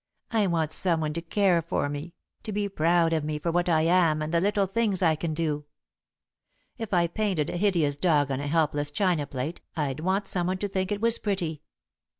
"I want someone to care for me to be proud of me for what I am and the little things I can do! If I painted a hideous dog on a helpless china plate, I'd want someone to think it was pretty.